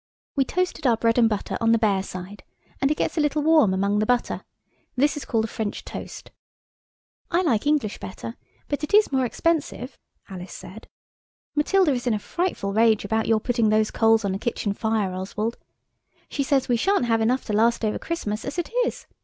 We toasted our bread and butter on the bare side, and it gets a little warm among the butter. This is called French toast. "I like English better, but it is more expensive," Alice said– "Matilda is in a frightful rage about your putting those coals on the kitchen fire, Oswald. She says we shan't have enough to last over Christmas as it is.